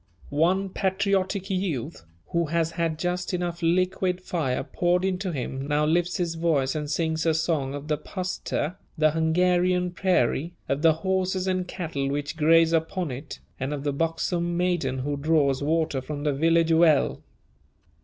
One patriotic youth, who has had just enough liquid fire poured into him, now lifts his voice and sings a song of the puszta (the Hungarian prairie), of the horses and cattle which graze upon it, and of the buxom maiden who draws water from the village well.